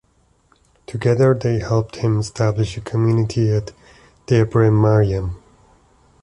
Together they helped him establish a community at Debre Mariam.